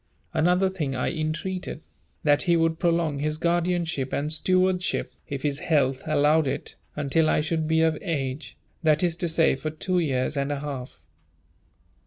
Another thing I entreated, that he would prolong his guardianship, and stewardship, if his health allowed it, until I should be of age, that is to say, for two years and a half.